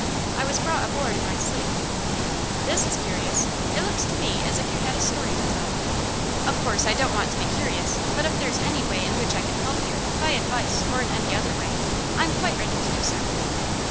"I was brought aboard in my sleep." "This is curious. It looks to me as if you had a story to tell. "Of course, I don't want to be curious, but if there is anyway in which I can help you, by advice, or in any other way, I am quite ready to do so."